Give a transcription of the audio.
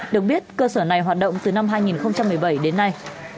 được biết cơ sở này hoạt động từ năm hai nghìn một mươi bảy đến nay